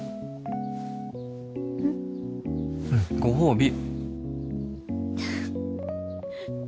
ご褒美